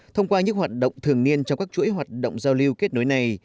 thông qua những hoạt động thường niên trong các chuỗi hoạt động giao lưu kết nối này